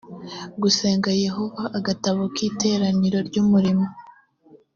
gusenga yehova agatabo k iteraniro ry umurimo